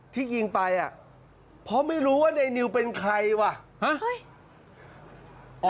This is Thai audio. ที่ยิงไปอ่ะเพราะไม่รู้ว่าในนิวเป็นใครว่ะ